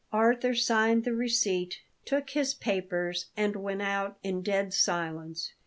Arthur signed the receipt, took his papers, and went out in dead silence.